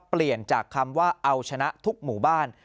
เปลี่ยนจากคำว่าเอาชนะทุกหมู่บ้าน